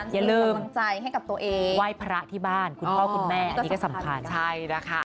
อย่าลืมไหว้พระที่บ้านคุณพ่อคุณแม่อันนี้ก็สำคัญ